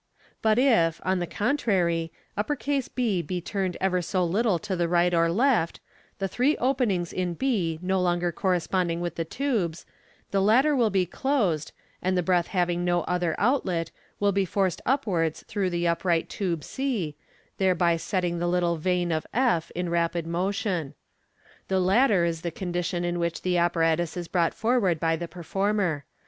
But if, on the contrary, B be turned ever so little to the right or left, the three openings in B no Fig. 167. Fig. 16S. MODERN MAGIC. 34i fonger corresponding with the tubes, the latter will be closed, and the breath having no other outlet, will be forced upwards through the upright tube c, thereby setting the little vane/ in rapid motion. The latter is the condition in which the apparatus is brought forward by the performer.